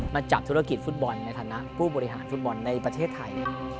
มาจับธุรกิจฟุตบอลในฐานะผู้บริหารฟุตบอลในประเทศไทย